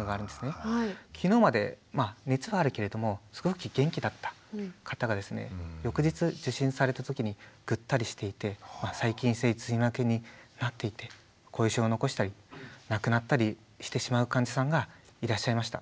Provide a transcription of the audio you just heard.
昨日までまあ熱はあるけれどもすごく元気だった方がですね翌日受診された時にぐったりしていてまあ細菌性髄膜炎になっていて後遺症を残したり亡くなったりしてしまう患者さんがいらっしゃいました。